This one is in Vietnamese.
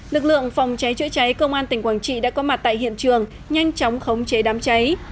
lực lượng phòng cháy chữa cháy công an tỉnh quảng trị đã có mặt tại hiện trường nhanh chóng khống chế đám cháy